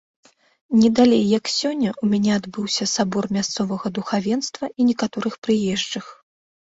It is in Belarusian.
Не далей, як сёння ў мяне адбыўся сабор мясцовага духавенства і некаторых прыезджых.